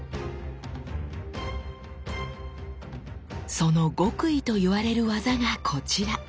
その極意と言われる技がこちら。